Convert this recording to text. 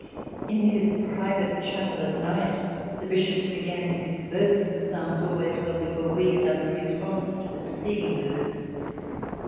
In his private chapel at night the bishop began his verse of the psalms always well before we had done the response to the preceding verse.